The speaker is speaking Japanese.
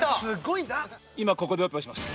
今ここでオペをします